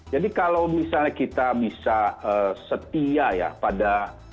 jadi kalau misalnya kita bisa setia ya pada